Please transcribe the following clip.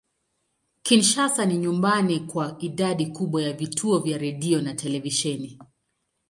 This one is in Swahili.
Kinshasa ni nyumbani kwa idadi kubwa ya vituo vya redio na televisheni.